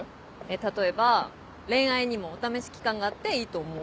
例えば恋愛にもお試し期間があっていいと思う。